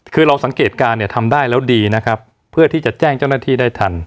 คือเราสังเกตการณ์เนี่ยทำได้แล้วดีนะครับเพื่อที่จะแจ้งเจ้าหน้าที่ได้ทัน